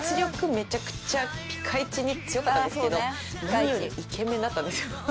めちゃくちゃピカイチに強かったんですけど何よりイケメンだったんですよ